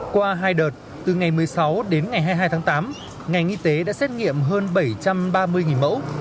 qua hai đợt từ ngày một mươi sáu đến ngày hai mươi hai tháng tám ngành y tế đã xét nghiệm hơn bảy trăm ba mươi mẫu